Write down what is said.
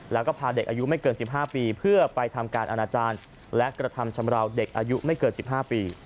แล้วก็พาเด็กอายุไม่เกิน๑๕ปีเพื่อไปทำการอนาจารย์และกระทำชำราวเด็กอายุไม่เกิน๑๕ปี